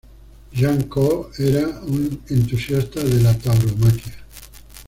Jean Cau era un entusiasta de la tauromaquia.